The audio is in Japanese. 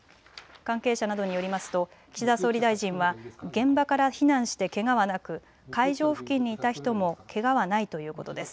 関係者などによりますと岸田総理大臣は現場から避難してけがはなく会場付近にいた人もけがはないということです。